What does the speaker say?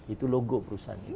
itu logo perusahaan itu